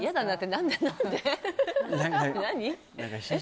何で？